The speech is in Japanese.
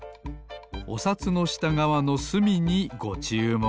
おさつのしたがわのすみにごちゅうもく。